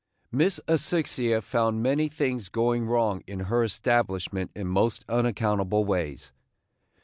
Miss Asphyxia found many things going wrong in her establishment in most unaccountable ways.